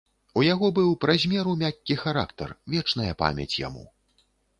У яго быў праз меру мяккі характар, вечная памяць яму.